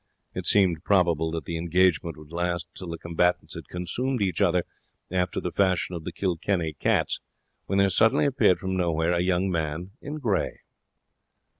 It seemed probable that the engagement would last till the combatants had consumed each other, after the fashion of the Kilkenny cats, when there suddenly appeared from nowhere a young man in grey.